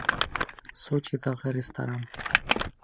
Сочиҙағы ресторан.